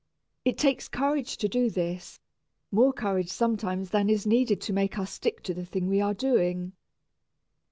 It takes courage to do this more courage sometimes than is needed to make us stick to the thing we are doing.